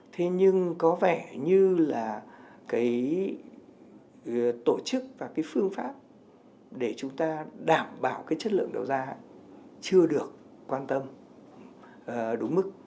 thế nhưng có vẻ như là cái tổ chức và cái phương pháp để chúng ta đảm bảo cái chất lượng đầu ra chưa được quan tâm đúng mức